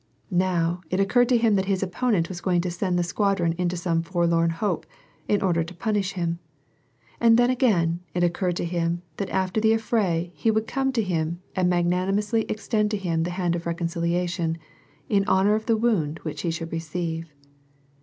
Now, it occurred to him that his opponent was going to send the squadron into some for lorn hope, in order to punish him. And then again, it occurred to him that after the affray he would come to him and mag nanimously extend to him the hand of reconciliation, in honor of the wound which he should receive.